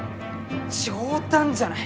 冗談じゃない！